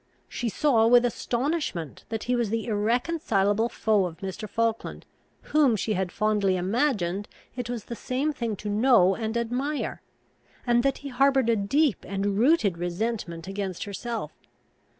She saw with astonishment that he was the irreconcilable foe of Mr. Falkland, whom she had fondly imagined it was the same thing to know and admire; and that he harboured a deep and rooted resentment against herself.